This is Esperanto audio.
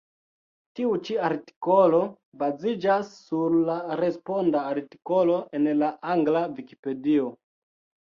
Tiu ĉi artikolo baziĝas sur la responda artikolo en la angla Vikipedio.